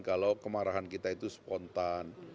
kalau kemarahan kita itu spontan